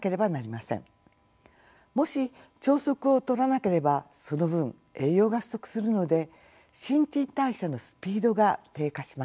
もし朝食をとらなければその分栄養が不足するので新陳代謝のスピードが低下します。